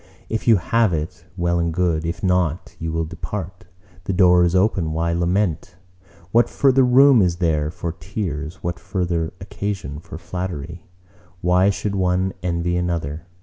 if you have it, well and good; if not, you will depart: the door is open—why lament? What further room is there for tears? What further occasion for flattery? Why should one envy another?